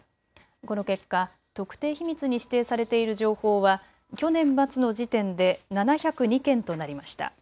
この結果、特定秘密に指定されている情報は去年末の時点で７０２件となりました。